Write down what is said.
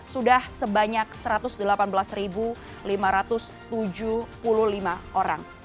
sudah sebanyak satu ratus delapan belas lima ratus tujuh puluh lima orang